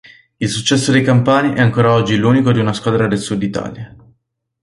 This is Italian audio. Il successo dei campani è ancora oggi l'unico di una squadra del Sud Italia.